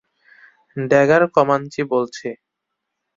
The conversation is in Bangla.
ড্যাগার, কম্যাঞ্চি বলছি।